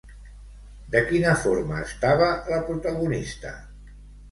De quina forma estava la protagonista?